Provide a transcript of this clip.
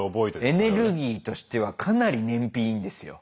エネルギーとしてはかなり燃費いいんですよ。